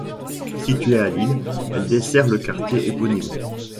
Située à Lille, elle dessert le quartier éponyme.